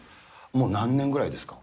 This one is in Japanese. もう何年ぐらいですか。